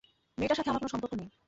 মেয়েটার সাথে আমার কোন সম্পর্ক নেই।